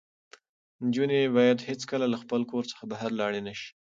نجونې باید هېڅکله له خپل کور څخه بهر لاړې نه شي.